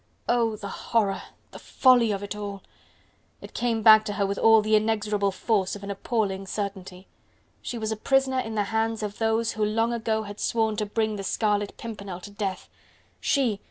Oh! the horror, the folly of it all! It came back to her with all the inexorable force of an appalling certainty. She was a prisoner in the hands of those who long ago had sworn to bring The Scarlet Pimpernel to death! She!